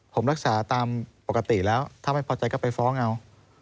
ผมรักษาตามปกติแล้วถ้าไม่พอใจก็ไปฟ้องเอา